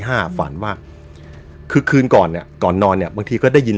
ฝันว่าคือคืนก่อนเนี้ยก่อนนอนเนี่ยบางทีก็ได้ยิน